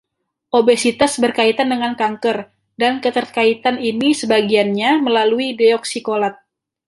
Obesitas berkaitan dengan kanker, dan keterkaitan ini sebagiannya melalui deoksikolat.